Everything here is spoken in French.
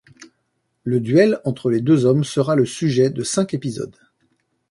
Le duel entre les deux hommes sera le sujet de cinq épisodes.